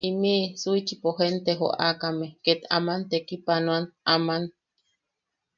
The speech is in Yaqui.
Imiʼi Shuichipo gente joakame ket aman tekipanoan aman.